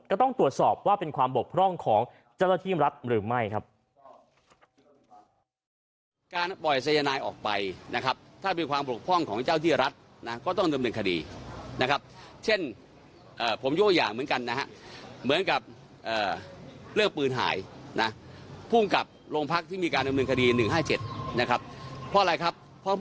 ก็ต้องตรวจสอบว่าเป็นความบกพร่องของเจ้าหน้าที่รัฐหรือไม่ครับ